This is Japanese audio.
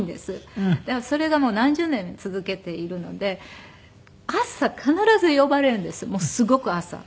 それがもう何十年続けているので朝必ず呼ばれるんですもうすごく朝。